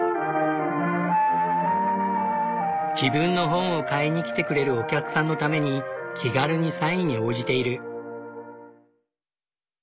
自分の本を買いにきてくれるお客さんのために気軽にサインに応じている。